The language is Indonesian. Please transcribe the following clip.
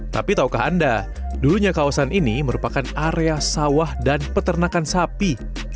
tapi tahukah anda dulunya kawasan ini merupakan area sawah dan peternakan sapi